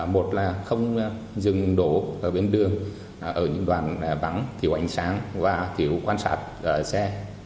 một là không dừng đổ bên đường ở những đoàn bắn thiếu ảnh sáng và thiếu quan sát xe